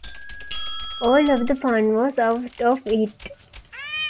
All of the fun was out of it.